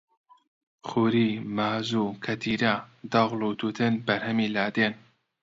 خوری، مازوو، کەتیرە، دەغڵ و تووتن بەرهەمی لادێن